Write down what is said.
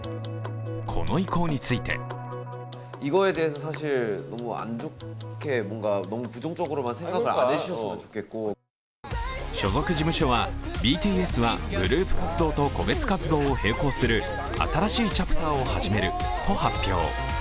この意向について所属事務所は、ＢＴＳはグループ活動と個別活動を並行する新しいチャプターを始めると発表。